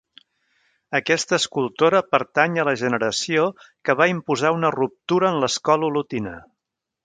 Aquesta escultora pertany a la generació que va imposar una ruptura en l'escultura olotina.